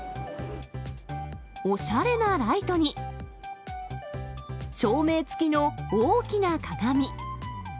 おしゃれなライトに、照明付きの大きな鏡。